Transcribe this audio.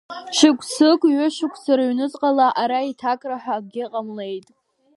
Шықәсык-ҩышықәса рыҩнуҵҟала, ара еиҭакраҳәа акгьы ҟамлеит.